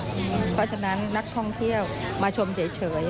เพราะฉะนั้นนักท่องเที่ยวมาชมเฉย